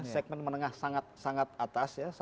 segmen menengah sangat sangat atas ya